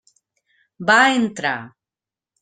Va entrar.